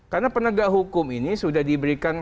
karena penegak hukum ini sudah diberikan